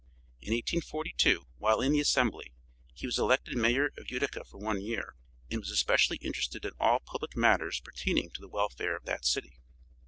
In 1842, while in the assembly, he was elected Mayor of Utica for one year, and was especially interested in all public matters pertaining to the welfare of that city.